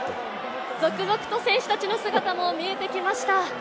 続々と選手たちの姿も見えてきました。